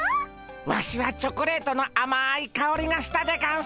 ワシはチョコレートのあまいかおりがしたでゴンス。